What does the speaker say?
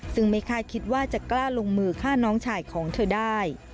ซึ่งไม่คาดคิดว่าจะกล้าลงมือฆ่าน้องชายของเธอได้